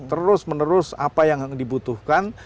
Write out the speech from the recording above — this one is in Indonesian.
terus menerus apa yang dibutuhkan